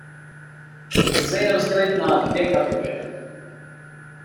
Lze je rozdělit na dvě kategorie.